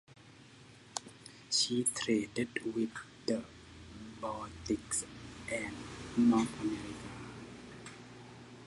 She traded with the Baltic and North America.